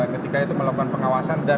ketika itu melakukan pengawasan dan